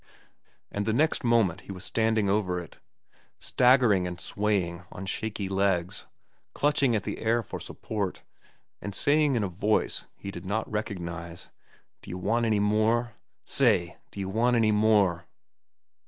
And the next moment he was standing over it, staggering and swaying on shaky legs, clutching at the air for support, and saying in a voice he did not recognize: "D'ye want any more? Say, d'ye want any more?"